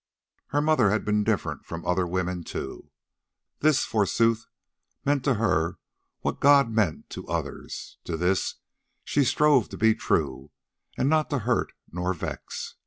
Her mother had been different from other women, too. This, forsooth, meant to her what God meant to others. To this she strove to be true, and not to hurt nor vex.